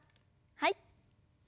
はい。